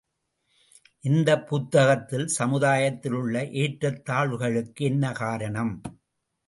இந்தப் புத்தகத்தில், சமுதாயத்தில் உள்ள ஏற்றத் தாழ்வுகளுக்கு என்ன காரணம்?